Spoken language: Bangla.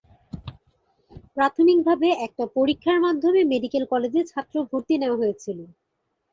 প্রাথমিক ভাবে একটা পরীক্ষার মাধ্যমে মেডিক্যাল কলেজে ছাত্র ভর্তি নেওয়া হয়েছিল।